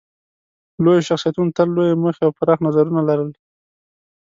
لویو شخصیتونو تل لویې موخې او پراخ نظرونه لرل.